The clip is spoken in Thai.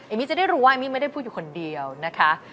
มมี่จะได้รู้ว่าเอมมี่ไม่ได้พูดอยู่คนเดียวนะคะ